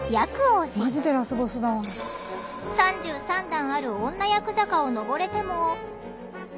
３３段ある女厄坂を上れても。